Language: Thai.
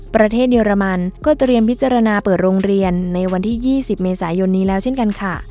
ประเทศเยอรมันก็เตรียมพิจารณาเปิดโรงเรียนในวันที่๒๐เมษายนนี้แล้วเช่นกันค่ะ